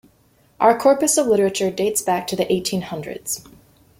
Our corpus of literature dates back to the eighteen hundreds.